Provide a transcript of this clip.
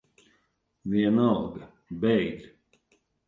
Vienalga. Beidz.